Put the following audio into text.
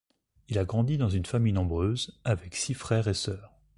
Il a grandi dans une famille nombreuse, avec six frères et sœurs.